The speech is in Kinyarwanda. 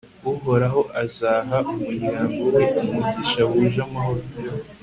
uhoraho azaha umuryango we umugisha wuje amahoro